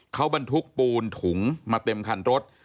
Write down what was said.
เขาบรรทุกปูนถุงมาเต็มคันรถ